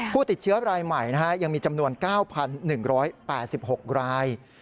ผู้ติดเชื้อรายใหม่ยังมีจำนวน๙๑๘๖ราย